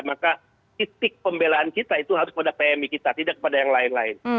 maka titik pembelaan kita itu harus pada pmi kita tidak kepada yang lain lain